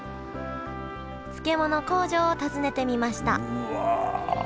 漬物工場を訪ねてみましたうわ。